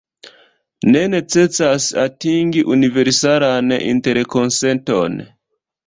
Ne necesas atingi universalan interkonsenton.